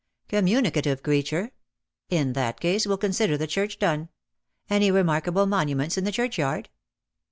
" Communicative creature ! In that case we'll consider the church done. Any remarkable monuments in the church yard?"